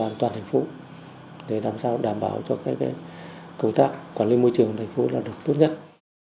an toàn thành phố để làm sao đảm bảo cho cái công tác quản lý môi trường của thành phố là được tốt nhất